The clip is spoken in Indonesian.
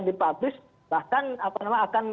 dipublish bahkan apa nama akan